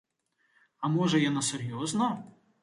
А можа, яна сур'ёзна?